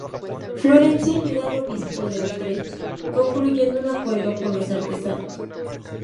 Florencio ayudó al obispo de Utrecht concluyendo un acuerdo con los artesanos.